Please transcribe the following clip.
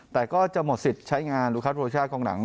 แต่ก็จะหมดสิทธิ์ใช้งานลูกค้าโทษชาติกองหนัง